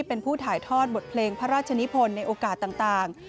เป็นผู้ถ่ายทอดบทเพลงพระราชนิพลในโอกาสต่าง